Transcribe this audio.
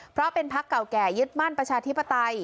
เพราะเป็นพักเก่าแก่ยึดมั่นประชาธิปไตย